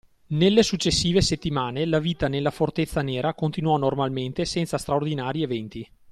Nelle successive settimane, la vita nella Fortezza Nera continuò normalmente senza straordinari eventi.